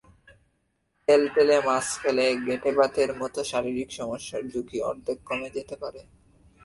তেলতেলে মাছ খেলে গেঁটেবাতের মতো শারীরিক সমস্যার ঝুঁকি অর্ধেক কমে যেতে পারে।